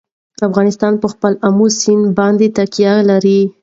افغانستان په خپل آمو سیند باندې تکیه لري.